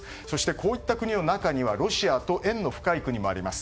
こういった国の中にはロシアと縁の深い国もあります。